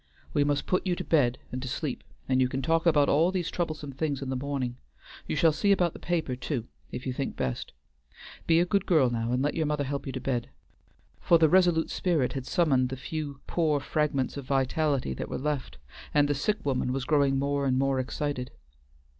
"We must put you to bed and to sleep, and you can talk about all these troublesome things in the morning. You shall see about the papers too, if you think best. Be a good girl now, and let your mother help you to bed." For the resolute spirit had summoned the few poor fragments of vitality that were left, and the sick woman was growing more and more excited.